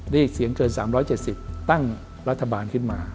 เรียกเสียงเกิน๓๗๐ตั้งรัฐบาลขึ้นมา